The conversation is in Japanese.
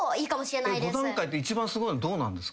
５段階って一番すごいのどうなんですか？